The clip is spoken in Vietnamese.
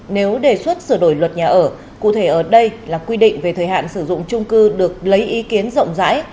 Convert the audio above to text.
nếu đề xuất sửa đổi luật nhà ở cụ thể ở đây là quy định về thời hạn sử dụng trung cư được lấy ý kiến rộng rãi